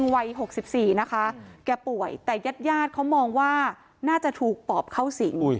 วัย๖๔นะคะแกป่วยแต่ญาติญาติเขามองว่าน่าจะถูกปอบเข้าสิง